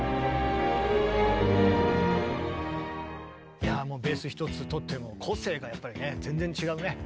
いやもうベースひとつとっても個性がやっぱりね全然違うね。